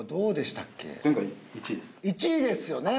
１位ですよね。